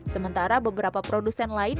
sementara beberapa produsen lain